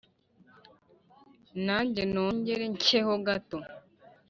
Nanjye nongere ncye ho gato